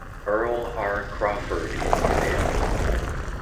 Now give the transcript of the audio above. Earl R. Crawford in command.